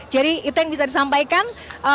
jadi itu yang bisa disampaikan